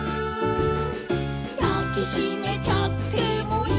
「だきしめちゃってもいいのかな」